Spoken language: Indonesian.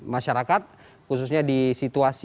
masyarakat khususnya di situasi